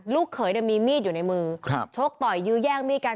ลูกเขยมีมีดอยู่ในมือชกต่อยยื้อแย่งมีดกัน